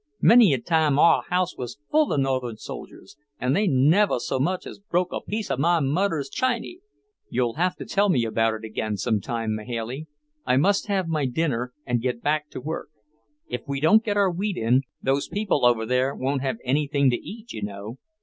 Many a time our house was full of Northern soldiers, an' they never so much as broke a piece of my mudder's chiney." "You'll have to tell me about it again sometime, Mahailey. I must have my dinner and get back to work. If we don't get our wheat in, those people over there won't have anything to eat, you know."